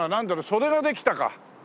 それができたか！